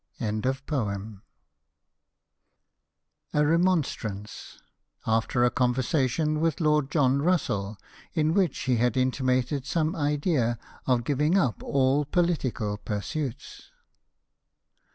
Hosted by Google 236 MISCELLANEOUS POEMS A REMONSTRANCE After a Conversation with Lord John Russell, in which he had intimated some Idea of giving up all Political Pursuits.